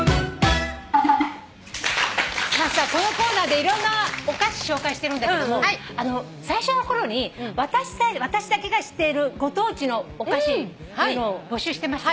このコーナーでいろんなお菓子紹介してるんだけども最初の頃に私だけが知っているご当地のお菓子っていうのを募集してました。